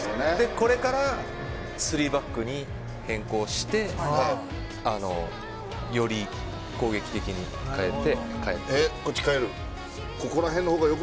これから３バックに変更してより攻撃的に変えて。